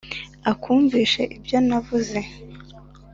akumvishe ibyo navuze